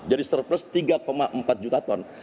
jadi seterusnya tiga empat juta ton